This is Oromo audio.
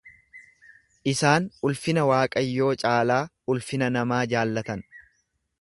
Isaan ulfina Waaqayyoo caalaa ulfina namaa jaallatan.